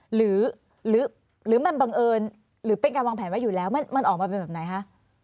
หรือมันบังเอิญหรือเป็นการวางแผนไว้อยู่แล้วมันออกมาเป็นแบบไหนคะ